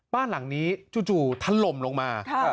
บ้านหลังนี้จู่ถล่มลงมา